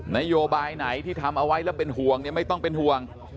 นโยบายไหนที่ทำเอาไว้แล้วเป็นห่วงเนี่ยไม่ต้องเป็นห่วง